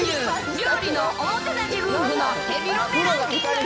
料理のおもてなし夫婦のヘビロテランキング。